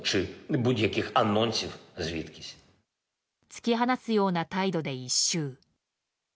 突き放すような態度で一蹴。